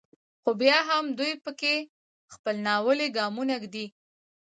خو بیا هم دوی په کې خپل ناولي ګامونه ږدي.